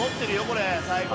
これ最後。